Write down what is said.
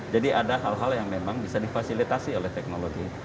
jadi ada hal hal yang memang bisa difasilitasi oleh teknologi